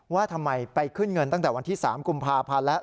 ว่าทำไมไปขึ้นเงินตั้งแต่วันที่๓กุมภาพันธ์แล้ว